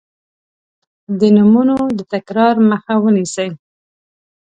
د نومونو د تکرار مخه نیسي.